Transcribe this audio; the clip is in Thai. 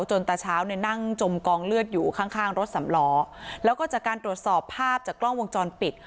ตาเช้าเนี่ยนั่งจมกองเลือดอยู่ข้างข้างรถสำล้อแล้วก็จากการตรวจสอบภาพจากกล้องวงจรปิด